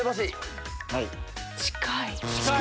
近い！